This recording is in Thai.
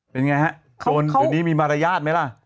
เป็นไงฮะเจอนีมีมารยาทไหมล่ะ